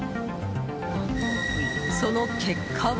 その結果は。